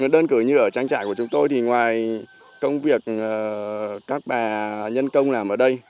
đơn cử như ở trang trại của chúng tôi thì ngoài công việc các bà nhân công làm ở đây